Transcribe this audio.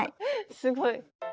すごい。